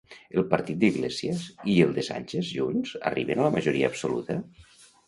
El partit d'Iglesias i el de Sánchez junts arriben a la majoria absoluta?